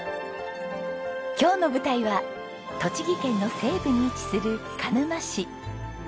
今日の舞台は栃木県の西部に位置する鹿沼市。